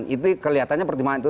itu kelihatannya pertumbuhan itu